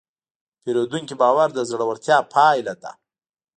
د پیرودونکي باور د زړورتیا پایله ده.